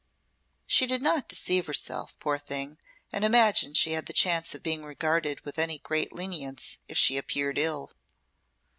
She did not deceive herself, poor thing, and imagine she had the chance of being regarded with any great lenience if she appeared ill.